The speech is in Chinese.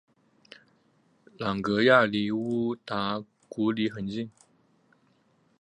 朗格亚离乌达古里很近。